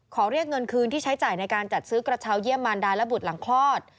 ขอเรียกเงินคืนที่ใช้จ่ายในการจัดซื้อกระเช้าเยี่ยมมารดาและบุตรหลังคลอด